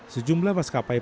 sejumlah paskapai penerbangan